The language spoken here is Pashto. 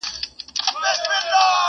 خو بدلون ورو روان دی تل.